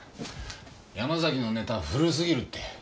山崎のネタは古すぎるって。